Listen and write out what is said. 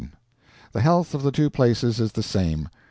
The health of the two places is the same.